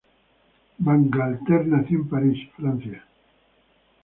Bangalter nació en París, Francia.